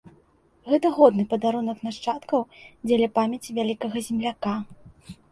Гэта годны падарунак нашчадкаў дзеля памяці вялікага земляка.